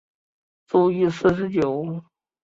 卒年四十九。